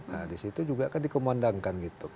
nah disitu juga kan dikomandangkan gitu